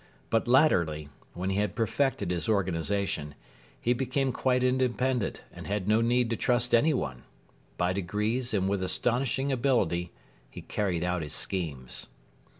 But latterly, when he had perfected his organisation, he became quite independent and had no need to trust anyone. By degrees and with astonishing ability he carried out his schemes.